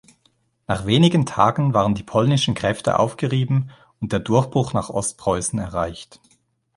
Nach wenigen Tagen waren die polnischen Kräfte aufgerieben, und der Durchbruch nach Ostpreußen erreicht.